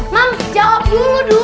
mams mams jawab dulu dud